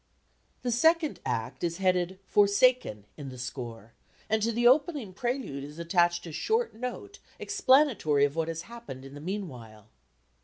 The second act is headed "Forsaken" in the score, and to the opening prelude is attached a short note explanatory of what has happened in the meanwhile.